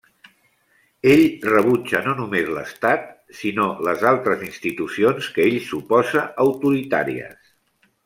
Ell rebutja no només l'Estat, sinó les altres institucions que ell suposa autoritàries.